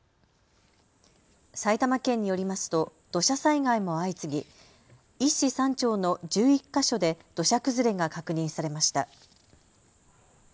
埼玉県によりますと土砂災害も相次ぎ１市３町の１１か所で土砂崩れが確認されました。